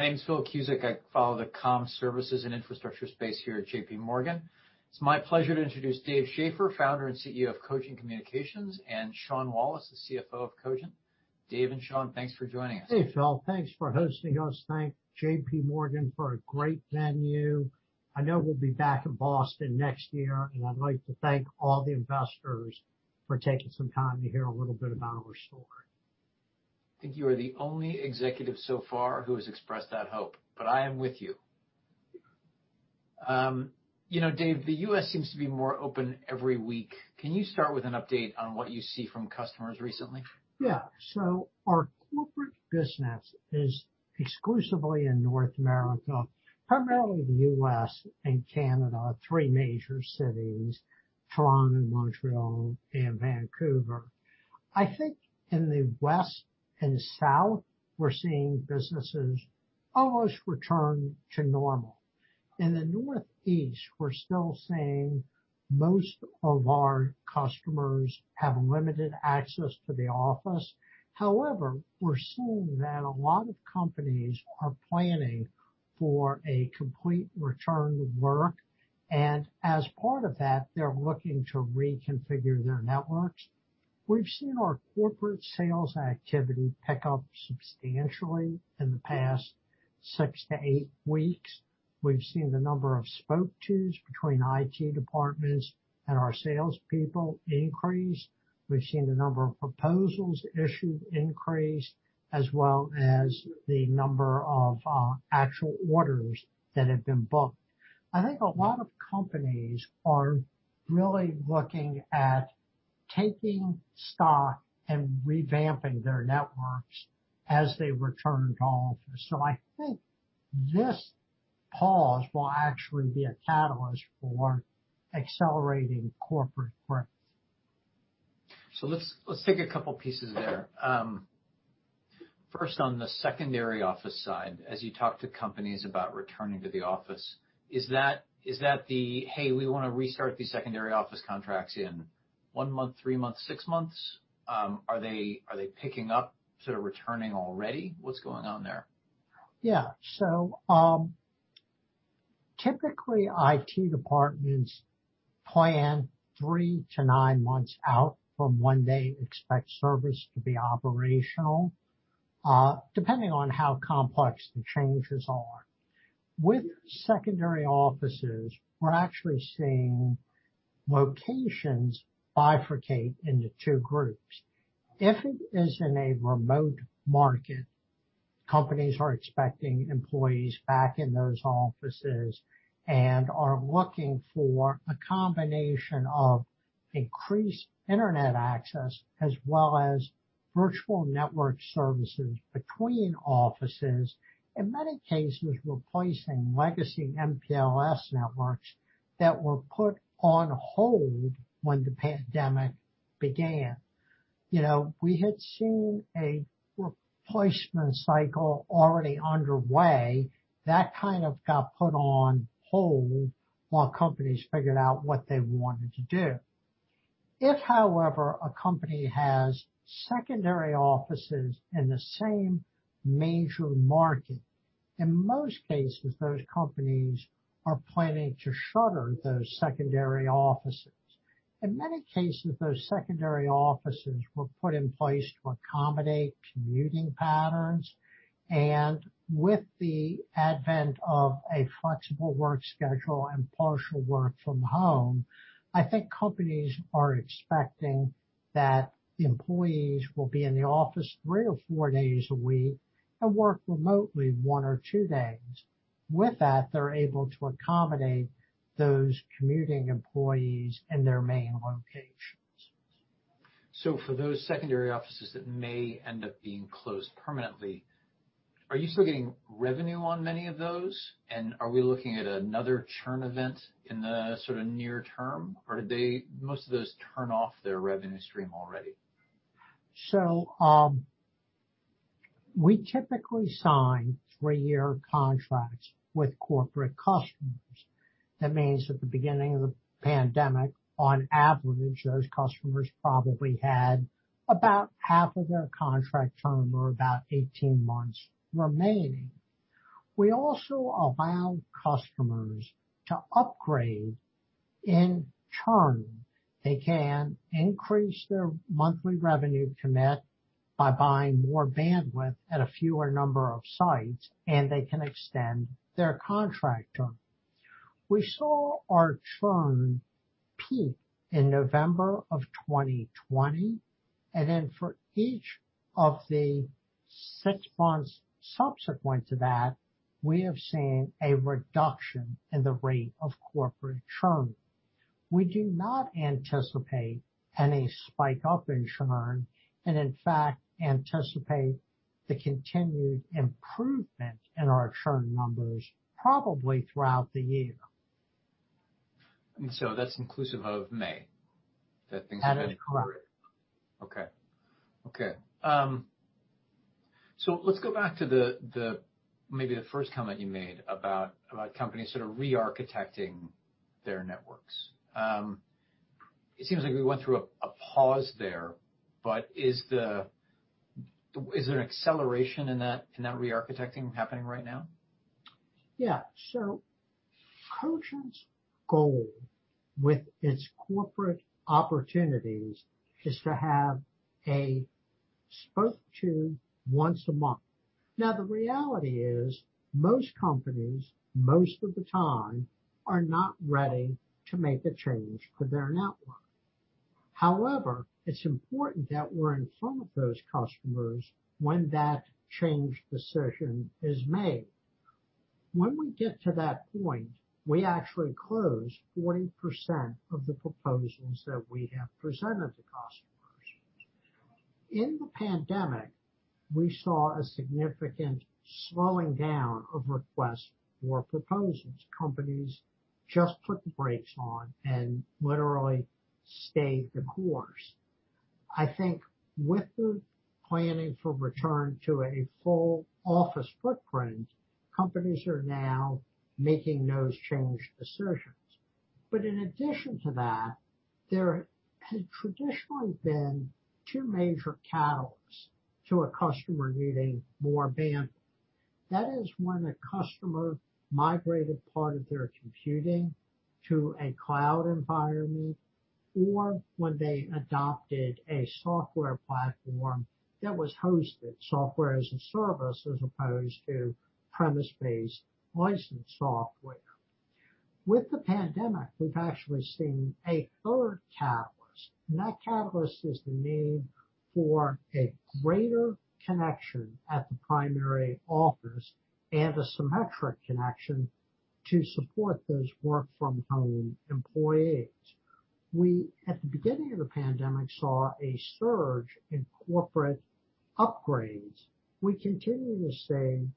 My name's Phil Cusick. I follow the comm services and infrastructure space here at JPMorgan. It's my pleasure to introduce Dave Schaeffer, Founder and CEO of Cogent Communications, and Sean Wallace, the CFO of Cogent. Dave and Sean, thanks for joining us. Hey, Phil. Thanks for hosting us. Thank JPMorgan for a great venue. I know we'll be back in Boston next year, and I'd like to thank all the investors for taking some time to hear a little bit about our story. I think you are the only executive so far who has expressed that hope, I am with you. Dave, the U.S. seems to be more open every week. Can you start with an update on what you see from customers recently? Our corporate business is exclusively in North America, primarily the U.S. and Canada, three major cities, Toronto, Montréal, and Vancouver. I think in the West and South, we're seeing businesses almost return to normal. In the Northeast, we're still seeing most of our customers have limited access to the office. However, we're seeing that a lot of companies are planning for a complete return to work, and as part of that, they're looking to reconfigure their networks. We've seen our corporate sales activity pick up substantially in the past six to eight weeks. We've seen the number of spoke to's between IT departments and our salespeople increase. We've seen the number of proposals issued increase, as well as the number of actual orders that have been booked. I think a lot of companies are really looking at taking stock and revamping their networks as they return to office. I think this pause will actually be a catalyst for accelerating corporate growth. Let's take a couple pieces there. First, on the secondary office side, as you talk to companies about returning to the office, is that the, "Hey, we want to restart these secondary office contracts in one month, three months, six months?" Are they picking up to returning already? What's going on there? Typically, IT departments plan three to nine months out from when they expect service to be operational, depending on how complex the changes are. With secondary offices, we're actually seeing locations bifurcate into two groups. If it is in a remote market, companies are expecting employees back in those offices and are looking for a combination of increased internet access as well as virtual network services between offices. In many cases, replacing legacy MPLS networks that were put on hold when the pandemic began. We had seen a replacement cycle already underway. That kind of got put on hold while companies figured out what they wanted to do. If, however, a company has secondary offices in the same major market, in most cases, those companies are planning to shutter those secondary offices. In many cases, those secondary offices were put in place to accommodate commuting patterns. With the advent of a flexible work schedule and partial work from home, I think companies are expecting that employees will be in the office three or four days a week and work remotely one or two days. With that, they're able to accommodate those commuting employees in their main locations. For those secondary offices that may end up being closed permanently, are you still getting revenue on many of those? Are we looking at another churn event in the sort of near term, or did most of those turn off their revenue stream already? We typically sign three-year contracts with corporate customers. That means at the beginning of the pandemic, on average, those customers probably had about half of their contract term or about 18 months remaining. We also allow customers to upgrade in-term. They can increase their monthly revenue commit by buying more bandwidth at a fewer number of sites, and they can extend their contract term. We saw our churn peak in November of 2020, and then for each of the six months subsequent to that, we have seen a reduction in the rate of corporate churn. We do not anticipate any spike up in churn, and in fact, anticipate the continued improvement in our churn numbers probably throughout the year. That's inclusive of May, that things have been improving. Absolutely. Okay. Let's go back to maybe the first comment you made about companies that are re-architecting their networks. It seems like we went through a pause there, but is there an acceleration in that re-architecting happening right now? Cogent's goal with its corporate opportunities is to have a spoke to once a month. The reality is most companies, most of the time, are not ready to make a change to their network. However, it's important that we're in front of those customers when that change decision is made. When we get to that point, we actually close 40% of the proposals that we have presented to customers. In the pandemic, we saw a significant slowing down of requests for proposals. Companies just put the brakes on and literally stayed the course. I think with the planning for return to a full office footprint, companies are now making those change decisions. In addition to that, there had traditionally been two major catalysts to a customer needing more bandwidth. That is when a customer migrated part of their computing to a cloud environment, or when they adopted a software platform that was hosted, Software as a Service as opposed to premise-based licensed software. With the pandemic, we've actually seen a third catalyst, and that catalyst is the need for a greater connection at the primary office and a symmetric connection to support those work-from-home employees. We, at the beginning of the pandemic, saw a surge in corporate upgrades. We continue to see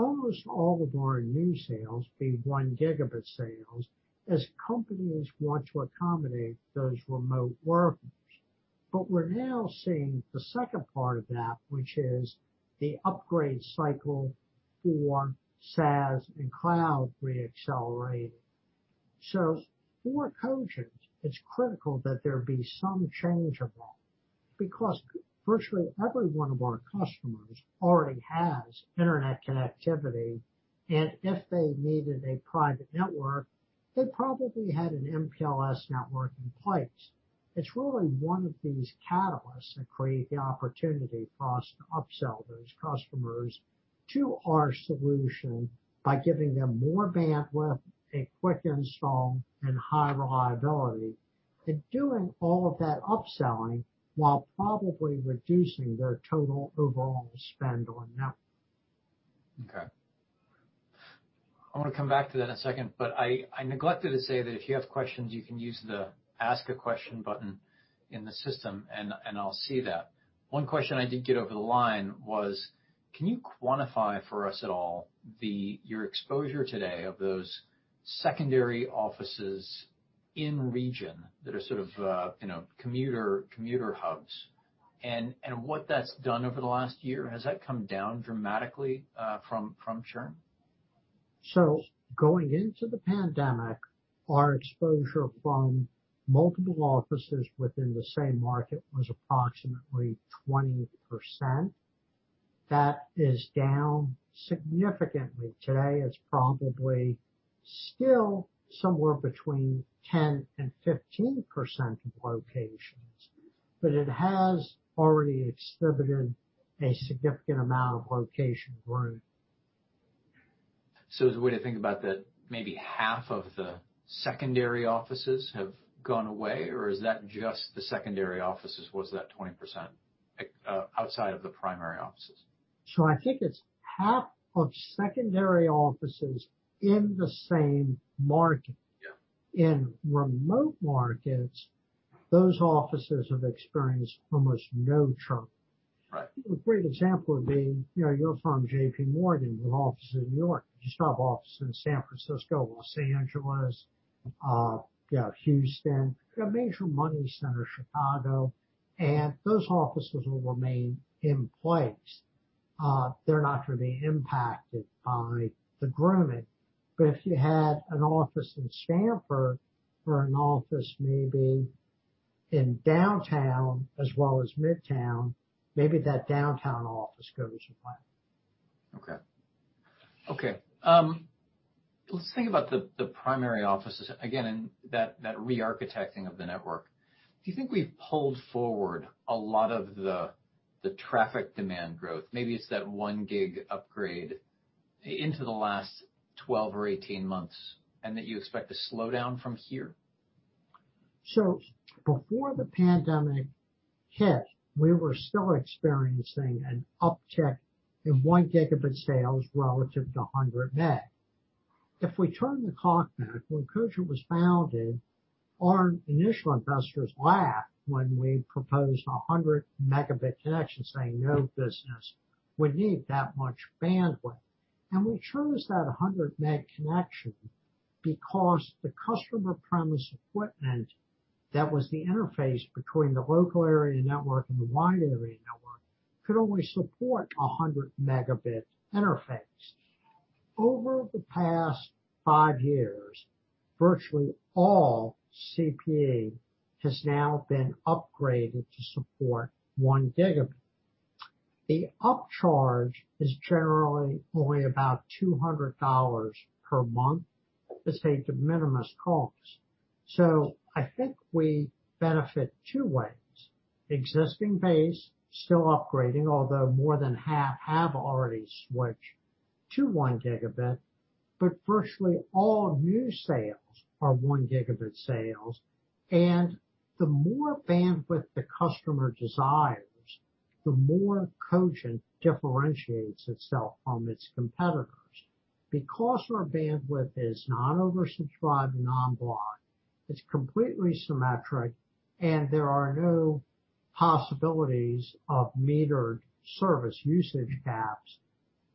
almost all of our new sales be one gigabit sales as companies want to accommodate those remote workers. We're now seeing the second part of that, which is the upgrade cycle for SaaS and cloud re-accelerating. For Cogent, it's critical that there be some change involved because virtually every one of our customers already has internet connectivity, and if they needed a private network, they probably had an MPLS network in place. It's really one of these catalysts that create the opportunity for us to upsell those customers to our solution by giving them more bandwidth, a quick install, and high reliability, and doing all of that upselling while probably reducing their total overall spend on network. Okay. I want to come back to that in a second. I neglected to say that if you have questions, you can use the ask a question button in the system, and I'll see that. One question I did get over the line was, can you quantify for us at all your exposure today of those secondary offices in region that are sort of commuter hubs, and what that's done over the last year? Has that come down dramatically from churn? Going into the pandemic, our exposure from multiple offices within the same market was approximately 20%. That is down significantly. Today, it's probably still somewhere between 10%-15% of locations, but it has already exhibited a significant amount of location grooming. Is the way to think about that maybe half of the secondary offices have gone away, or is that just the secondary offices was that 20% outside of the primary offices? I think it's half of secondary offices in the same market. Yeah. In remote markets, those offices have experienced almost no churn. Right. A great example would be you'll find JPMorgan with offices in New York. You still have offices in San Francisco, Los Angeles, Houston, a major money center, Chicago, and those offices will remain in place. They're not going to be impacted by the grooming. If you had an office in Stamford or an office maybe in downtown as well as Midtown, maybe that downtown office goes away. Okay. Let's think about the primary offices again and that re-architecting of the network. Do you think we've pulled forward a lot of the traffic demand growth, maybe it's that 1 gb upgrade into the last 12 or 18 months, and that you expect to slow down from here? Before the pandemic hit, we were still experiencing an uptick in one gigabit sales relative to 100 meg. If we turn the clock back when Cogent was founded, our initial investors laughed when we proposed 100 MB connections, saying, "No business would need that much bandwidth." We chose that 100 meg connection because the customer premise equipment that was the interface between the local area network and the wide area network could only support 100 MB interface. Over the past five years, virtually all CPE has now been upgraded to support one gigabit. The upcharge is generally only about $200 per month. It's a de minimis cost. I think we benefit two ways. Existing base, still upgrading, although more than half have already switched to 1 GB. Virtually all new sales are one gigabit sales. The more bandwidth the customer desires, the more Cogent differentiates itself from its competitors. Because our bandwidth is non-oversubscribed, non-blocked, it's completely symmetric, and there are no possibilities of metered service usage caps,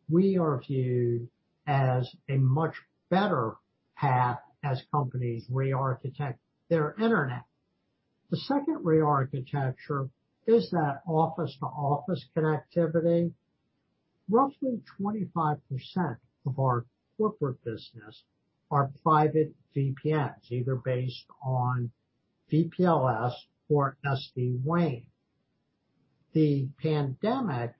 we are viewed as a much better path as companies re-architect their internet. The second re-architecture is that office-to-office connectivity. Roughly 25% of our corporate business are private VPNs, either based on VPLS or SD-WAN. The pandemic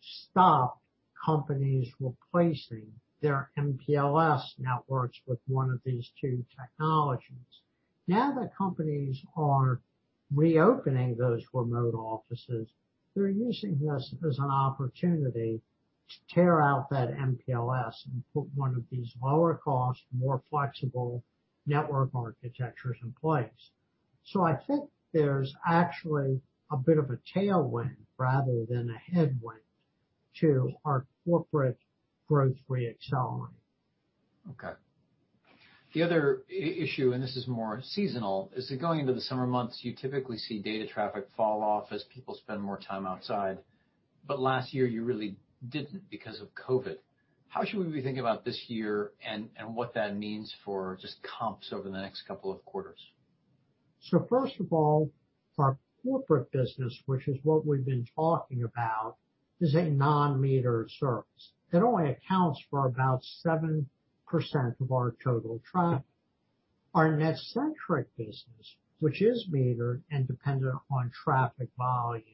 stopped companies replacing their MPLS networks with one of these two technologies. Now that companies are reopening those remote offices, they're using this as an opportunity to tear out that MPLS and put one of these lower-cost, more flexible network architectures in place. I think there's actually a bit of a tailwind rather than a headwind to our corporate growth re-accelerating. Okay. The other issue, this is more seasonal, is that going into the summer months, you typically see data traffic fall off as people spend more time outside. Last year you really didn't because of COVID. How should we be thinking about this year and what that means for just comps over the next couple of quarters? First of all, our corporate business, which is what we've been talking about, is a non-metered service. It only accounts for about 7% of our total traffic. Our NetCentric business, which is metered and dependent on traffic volumes,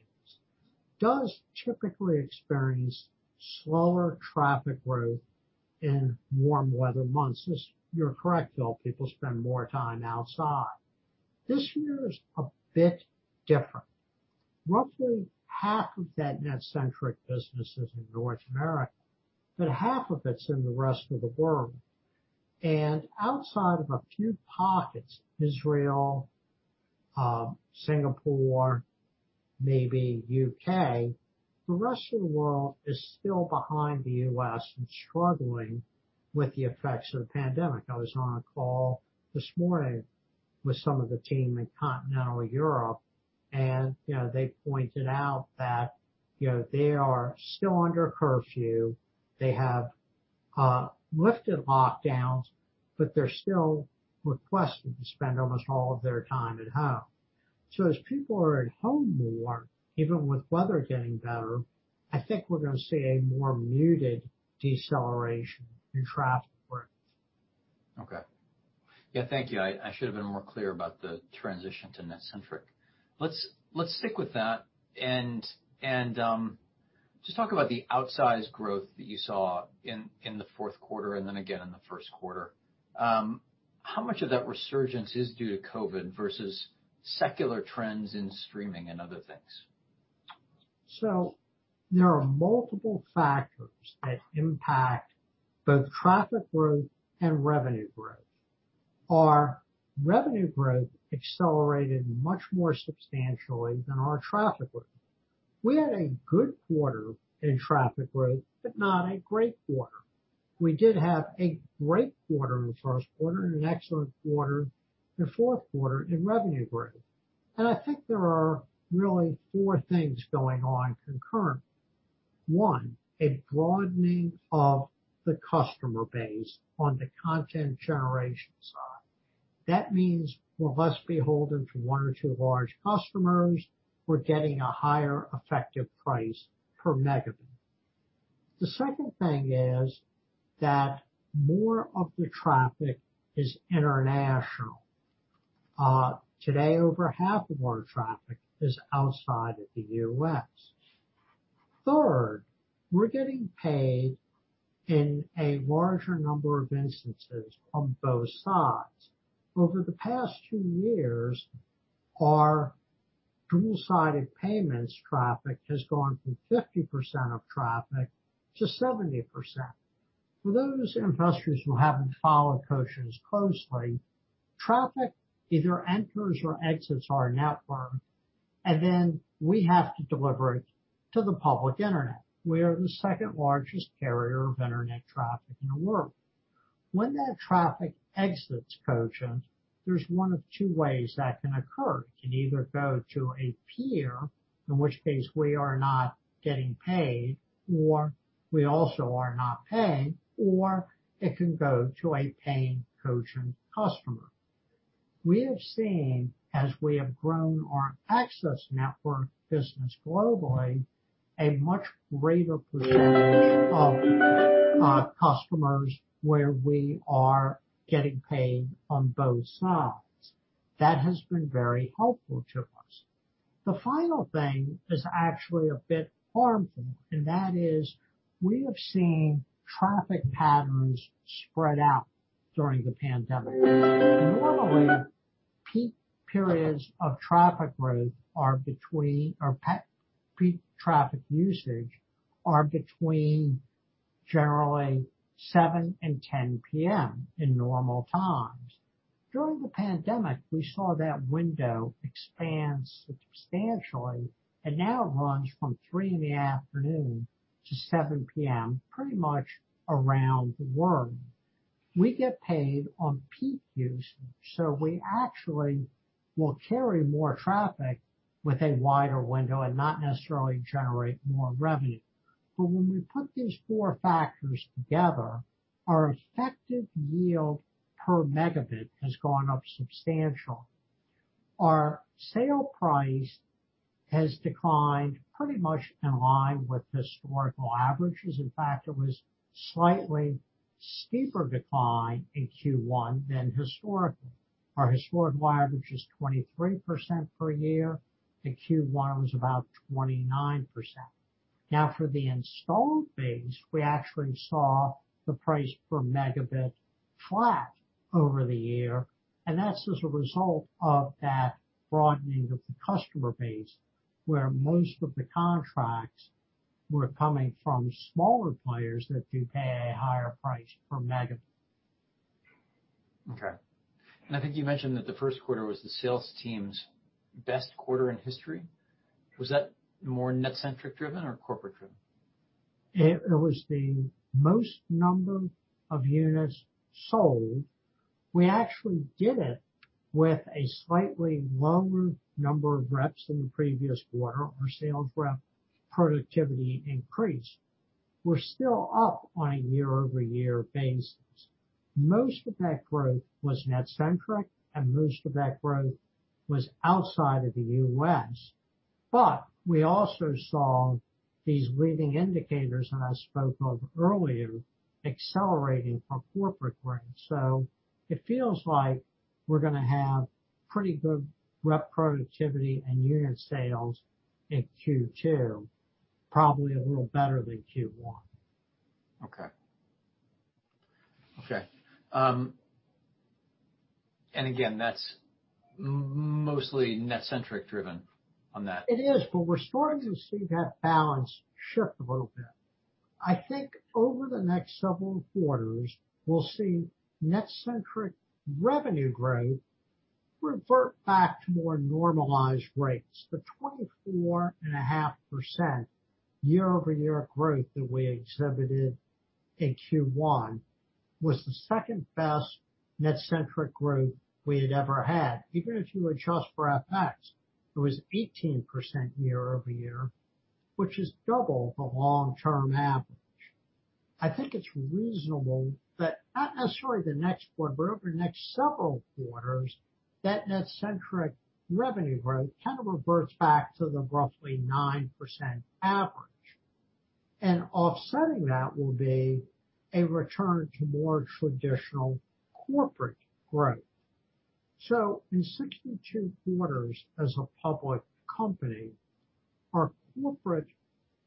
does typically experience slower traffic growth in warm weather months. You're correct, though, people spend more time outside. This year is a bit different. Roughly half of that NetCentric business is in North America, but half of it's in the rest of the world. Outside of a few pockets, Israel, Singapore, maybe U.K., the rest of the world is still behind the U.S. and struggling with the effects of the pandemic. I was on a call this morning with some of the team in continental Europe, and they pointed out that they are still under curfew. They have lifted lockdowns, but they're still requested to spend almost all of their time at home. As people are at home more, even with weather getting better, I think we're going to see a more muted deceleration in traffic growth. Okay. Yeah, thank you. I should've been more clear about the transition to NetCentric. Let's stick with that and just talk about the outsized growth that you saw in the fourth quarter and then again in the first quarter. How much of that resurgence is due to COVID versus secular trends in streaming and other things? There are multiple factors that impact both traffic growth and revenue growth. Our revenue growth accelerated much more substantially than our traffic growth. We had a good quarter in traffic growth, but not a great quarter. We did have a great quarter in the first quarter and an excellent quarter in the fourth quarter in revenue growth. I think there are really four things going on concurrent. One, a broadening of the customer base on the content generation side. That means we're less beholden to one or two large customers. We're getting a higher effective price per megabit. The second thing is that more of the traffic is international. Today, over half of our traffic is outside of the U.S. Third, we're getting paid in a larger number of instances on both sides. Over the past two years, our dual-sided payments traffic has gone from 50% of traffic to 70%. For those investors who haven't followed Cogent closely, traffic either enters or exits our network, and then we have to deliver it to the public internet. We are the second-largest carrier of internet traffic in the world. When that traffic exits Cogent, there's one of two ways that can occur. It can either go to a peer, in which case we are not getting paid or we also are not paying, or it can go to a paying Cogent customer. We have seen, as we have grown our access network business globally, a much greater proportion of customers where we are getting paid on both sides. That has been very helpful to us. The final thing is actually a bit harmful, and that is we have seen traffic patterns spread out during the pandemic. Normally, peak traffic usage are between generally 7:00 P.M. and 10:00 P.M. in normal times. During the pandemic, we saw that window expand substantially, now it runs from 3:00 P.M. to 7:00 P.M. pretty much around the world. We get paid on peak usage, we actually will carry more traffic with a wider window not necessarily generate more revenue. When we put these four factors together, our effective yield per megabit has gone up substantially. Our sale price has declined pretty much in line with historical averages. In fact, it was slightly steeper decline in Q1 than historically. Our historic average is 23% for a year, Q1 was about 29%. For the installed base, we actually saw the price per megabit flat over the year, and that's as a result of that broadening of the customer base, where most of the contracts were coming from smaller players that do pay a higher price per megabit. Okay. I think you mentioned that the first quarter was the sales team's best quarter in history. Was that more NetCentric driven or corporate driven? It was the most number of units sold. We actually did it with a slightly lower number of reps than the previous quarter. Our sales rep productivity increased. We're still up on a year-over-year basis. Most of that growth was NetCentric, and most of that growth was outside of the U.S. We also saw these leading indicators that I spoke of earlier accelerating for corporate growth. It feels like we're going to have pretty good rep productivity and unit sales in Q2, probably a little better than Q1. Okay. again, that's mostly NetCentric driven on that. It is, but we're starting to see that balance shift a little bit. I think over the next several quarters, we'll see NetCentric revenue growth revert back to more normalized rates. The 24.5% year-over-year growth that we exhibited in Q1 was the second-best NetCentric growth we had ever had. Even if you adjust for FX, it was 18% year-over-year, which is double the long-term average. I think it's reasonable that not necessarily the next quarter, but over the next several quarters, that NetCentric revenue growth kind of reverts back to the roughly 9% average. Offsetting that will be a return to more traditional corporate growth. In 62 quarters as a public company, our corporate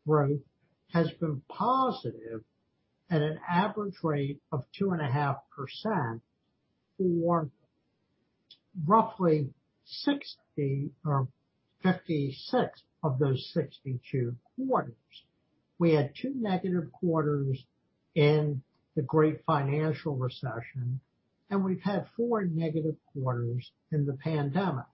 growth has been positive at an average rate of 2.5% for roughly 56 of those 62 quarters. We had two negative quarters in the great financial recession, and we've had four negative quarters in the pandemic.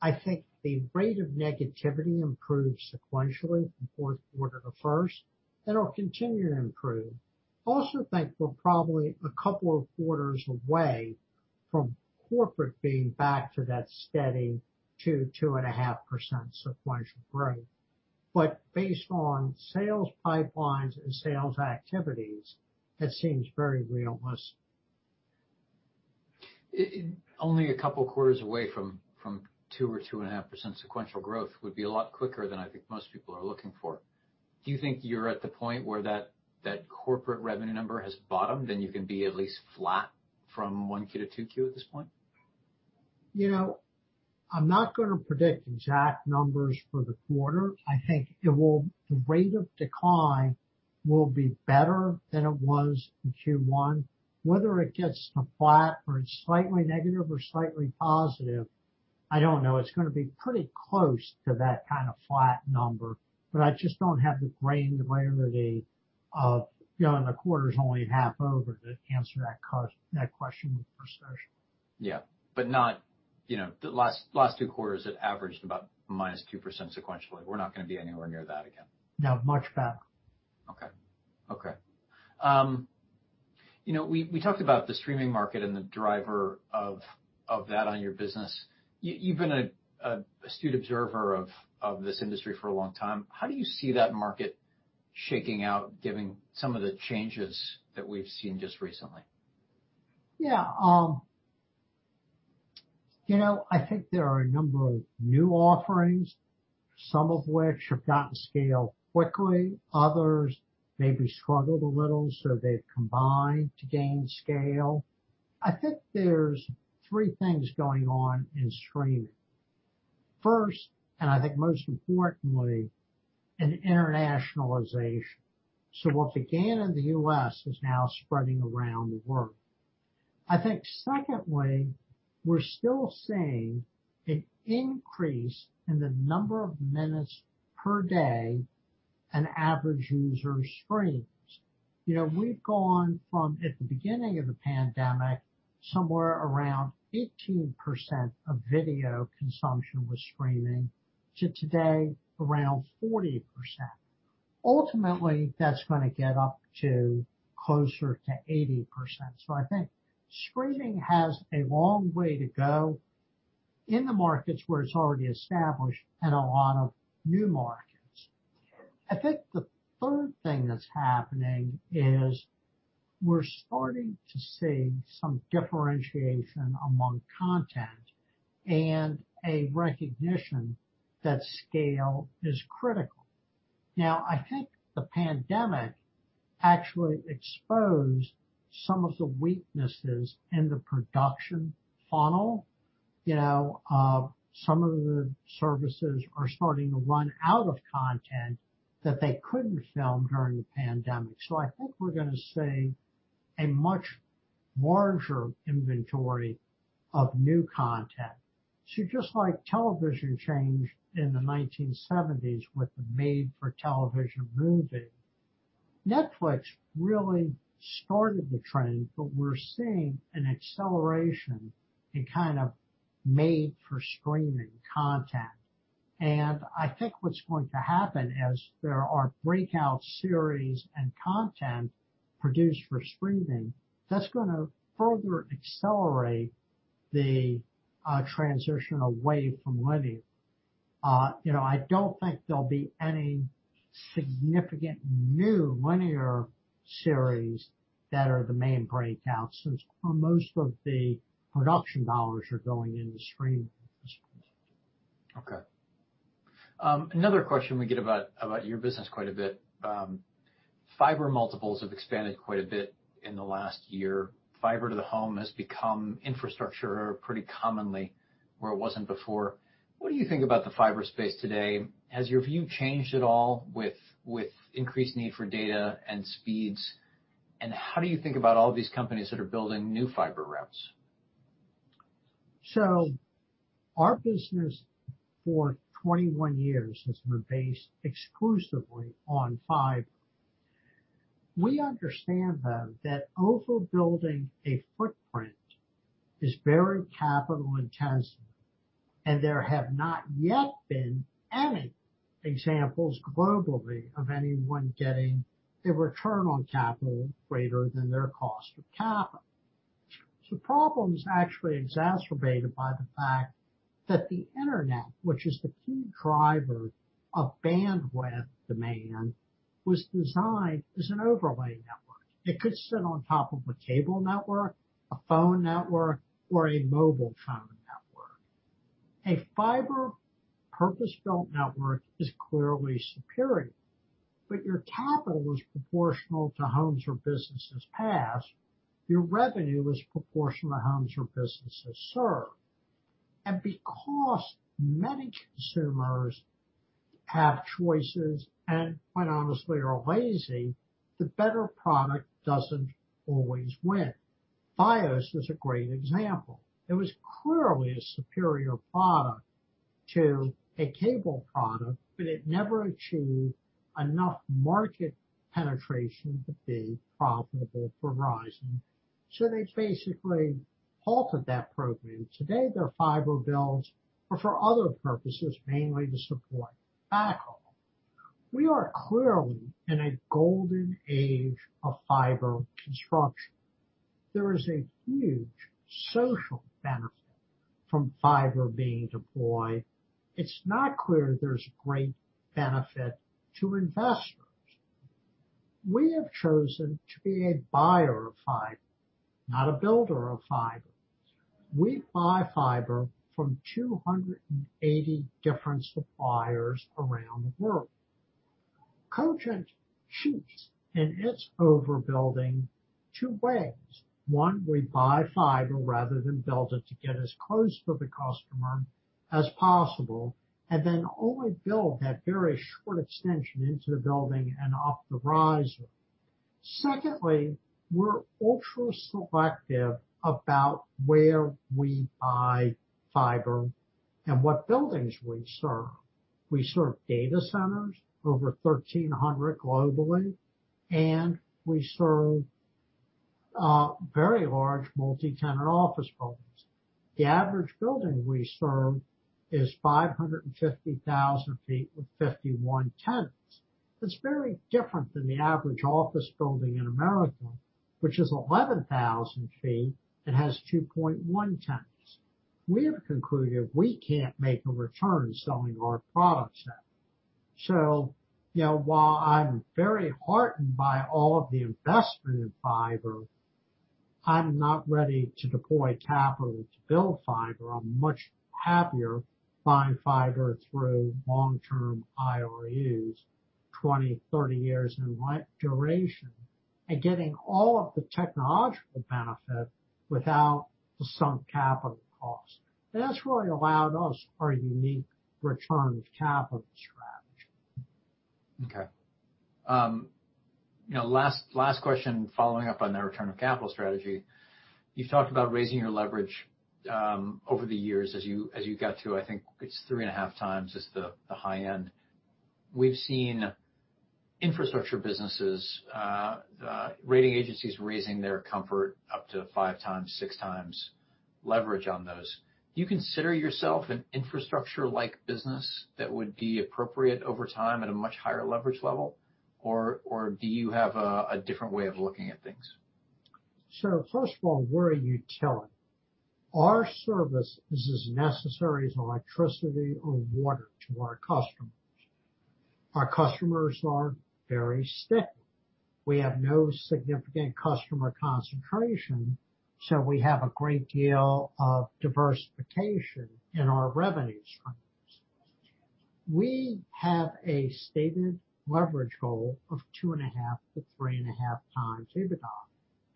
I think the rate of negativity improved sequentially from fourth quarter to first. It'll continue to improve. Also think we're probably a couple of quarters away from corporate being back to that steady 2%, 2.5% sequential growth. Based on sales pipelines and sales activities, it seems very realistic. Only a couple quarters away from 2 or 2.5% sequential growth would be a lot quicker than I think most people are looking for. Do you think you're at the point where that corporate revenue number has bottomed and you can be at least flat from 1Q to 2Q at this point? I'm not going to predict exact numbers for the quarter. I think the rate of decline will be better than it was in Q1. Whether it gets to flat or it's slightly negative or slightly positive, I don't know. It's going to be pretty close to that kind of flat number. I just don't have the granularity of the quarter's only half over to answer that question with precision. Yeah. Not the last two quarters it averaged about -2% sequentially. We're not going to be anywhere near that again. No, much better. Okay. We talked about the streaming market and the driver of that on your business. You've been a astute observer of this industry for a long time. How do you see that market shaking out, given some of the changes that we've seen just recently? Yeah. I think there are a number of new offerings, some of which have gotten scale quickly. Others maybe struggled a little, so they've combined to gain scale. I think there's three things going on in streaming. First, and I think most importantly, an internationalization. What began in the U.S. is now spreading around the world. I think secondly, we're still seeing an increase in the number of minutes per day an average user streams. We've gone from, at the beginning of the pandemic, somewhere around 18% of video consumption was streaming, to today, around 40%. Ultimately, that's going to get up to closer to 80%. I think streaming has a long way to go in the markets where it's already established and a lot of new markets. I think the third thing that's happening is we're starting to see some differentiation among content and a recognition that scale is critical. I think the pandemic actually exposed some of the weaknesses in the production funnel. Some of the services are starting to run out of content that they couldn't film during the pandemic. I think we're going to see a much larger inventory of new content. Just like television changed in the 1970s with the made-for-television movie, Netflix really started the trend, but we're seeing an acceleration in made-for-streaming content. I think what's going to happen is there are breakout series and content produced for streaming that's going to further accelerate the transition away from linear. I don't think there'll be any significant new linear series that are the main breakouts, since most of the production dollars are going into streaming these days. Okay. Another question we get about your business quite a bit. Fiber multiples have expanded quite a bit in the last year. Fiber to the home has become infrastructure pretty commonly where it wasn't before. What do you think about the fiber space today? Has your view changed at all with increased need for data and speeds? How do you think about all these companies that are building new fiber routes? Our business for 21 years has been based exclusively on fiber. We understand, though, that overbuilding a footprint is very capital intensive, and there have not yet been any examples globally of anyone getting a return on capital greater than their cost of capital. The problem is actually exacerbated by the fact that the internet, which is the key driver of bandwidth demand, was designed as an overlay network. It could sit on top of a cable network, a phone network, or a mobile phone network. A fiber purpose-built network is clearly superior, but your capital is proportional to homes or businesses passed. Your revenue is proportional to homes or businesses served. Because many consumers have choices and, quite honestly, are lazy, the better product doesn't always win. Fios is a great example. It was clearly a superior product to a cable product, it never achieved enough market penetration to be profitable for Verizon. They basically halted that program. Today, their fiber builds are for other purposes, mainly to support backhaul. We are clearly in a golden age of fiber construction. There is a huge social benefit from fiber being deployed. It's not clear there's great benefit to investors. We have chosen to be a buyer of fiber, not a builder of fiber. We buy fiber from 280 different suppliers around the world. Cogent cheats in its overbuilding two ways. One, we buy fiber rather than build it to get as close to the customer as possible, then only build that very short extension into the building and up the riser. Secondly, we're ultra-selective about where we buy fiber and what buildings we serve. We serve data centers, over 1,300 globally, and we serve very large multi-tenant office buildings. The average building we serve is 550,000 ft with 51 tenants. That's very different than the average office building in America. Which is 11,000 ft and has 2.1 tenants. We have concluded we can't make a return selling our products there. While I'm very heartened by all of the investment in fiber, I'm not ready to deploy capital to build fiber. I'm much happier buying fiber through long-term IRUs, 20, 30 years in duration, and getting all of the technological benefit without the sunk capital cost. That's really allowed us a unique return on capital strategy. Okay. Last question following up on the return of capital strategy. You talked about raising your leverage over the years as you got to, I think it's three and a half times is the high end. We've seen infrastructure businesses, rating agencies raising their comfort up to 5x, 6x leverage on those. Do you consider yourself an infrastructure-like business that would be appropriate over time at a much higher leverage level? Do you have a different way of looking at things? First of all, we're a utility. Our service is as necessary as electricity or water to our customers. Our customers are very sticky. We have no significant customer concentration, so we have a great deal of diversification in our revenue streams. We have a stated leverage goal of 2.5-3.5x EBITDA.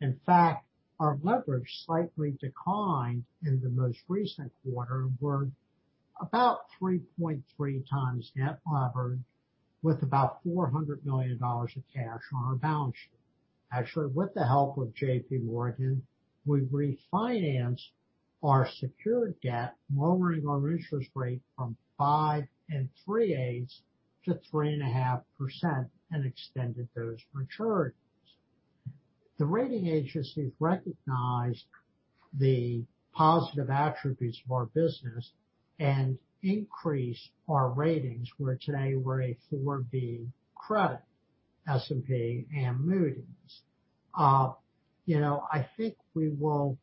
In fact, our leverage slightly declined in the most recent quarter. We're about 3.3x net leverage with about $400 million of cash on our balance sheet. Actually, with the help of JPMorgan, we refinanced our secured debt, lowering our interest rate from 5.375%-3.5% and extended those maturities. The rating agencies recognized the positive attributes of our business and increased our ratings. We're today a 4-B credit, S&P and Moody's. We will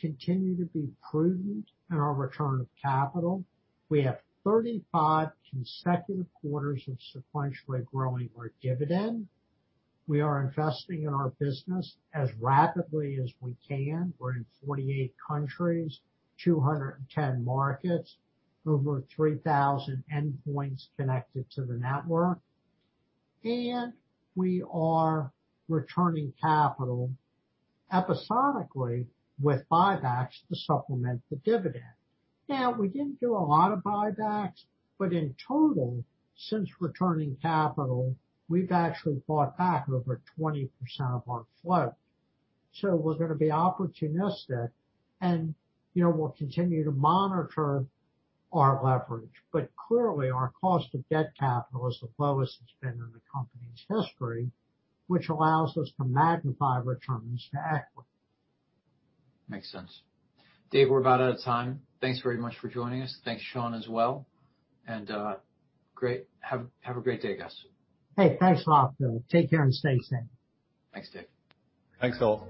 continue to be prudent in our return of capital. We have 35 consecutive quarters of sequentially growing our dividend. We are investing in our business as rapidly as we can. We're in 48 countries, 210 markets, over 3,000 endpoints connected to the network. We are returning capital episodically with buybacks to supplement the dividend. We didn't do a lot of buybacks, but in total, since returning capital, we've actually bought back over 20% of our float. We're going to be opportunistic and we'll continue to monitor our leverage. Clearly, our cost of debt capital is the lowest it's been in the company's history, which allows us to magnify returns to equity. Makes sense. Dave, we're about out of time. Thanks very much for joining us. Thanks, Sean, as well. Have a great day, guys. Hey, thanks a lot, Phil. Take care and stay safe. Thanks, Dave. Thanks, all.